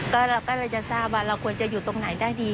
ก็เราก็เลยจะทราบว่าเราควรจะอยู่ตรงไหนได้ดี